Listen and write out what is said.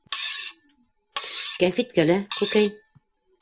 Кәнфиткә лә — күкәй.